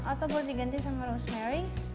atau baru diganti sama rosemary